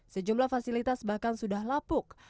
sejumlah fasilitas bahkan sudah lapuk